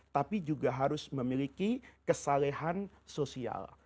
tapi juga harus memiliki kesalahan sosial